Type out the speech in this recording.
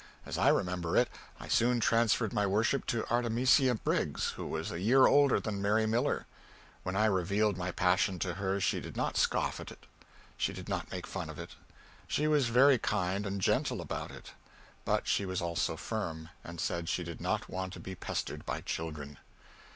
As I remember it, I soon transferred my worship to Artimisia Briggs, who was a year older than Mary Miller. When I revealed my passion to her she did not scoff at it. She did not make fun of it. She was very kind and gentle about it. But she was also firm, and said she did not want to be pestered by children.